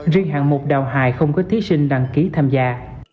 riêng hạng mục đào hài không có thí sinh đăng ký tham gia